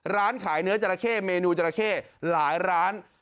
ร้านขายเนื้อจราเข้เมนูจราเข้หลายร้าน